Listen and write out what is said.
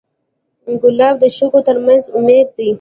ګلاب د شګو تر منځ امید دی.